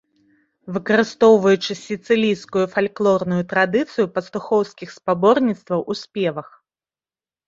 Выкарыстоўваючы сіцылійскую фальклорную традыцыю пастухоўскіх спаборніцтваў у спевах.